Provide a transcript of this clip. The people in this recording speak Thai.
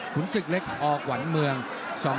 ขุนสึกเล็กออกหวานเมือง